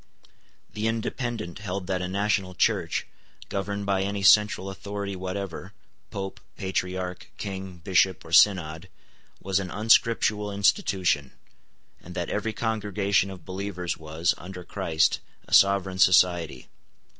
The Independent held that a national Church, governed by any central authority whatever, Pope, Patriarch, King, Bishop, or Synod, was an unscriptural institution, and that every congregation of believers was, under Christ, a sovereign society.